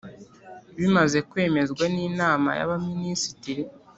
Bimaze kwemezwa n inama y abaminisitiri